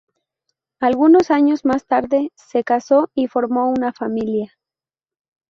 Algunos años más tarde se casó y formó una familia.